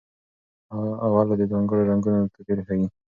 اولو د ځانګړو رنګونو توپیر ښيي.